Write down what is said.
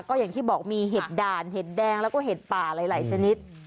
ก็อย่างที่บอกมีเห็ดด่านเห็ดแดงแล้วก็เห็ดป่าหลายชนิด